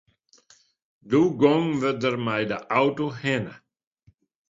Doe gongen we der mei de auto hinne.